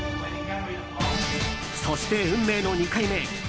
そして、運命の２回目。